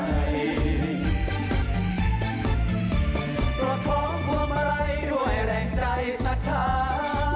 ประท้องความใดด้วยแรงใจสะท้าย